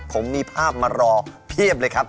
ผมมีภาพมารอเพียบเลยครับ